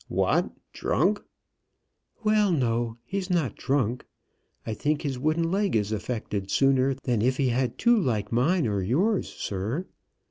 "What! drunk?" "Well, no; he's not drunk. I think his wooden leg is affected sooner than if he had two like mine, or yours, sir.